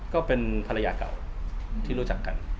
ก็เป็นภรรยาเก่าที่รู้จักกัน